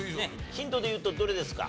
ヒントでいうとどれですか？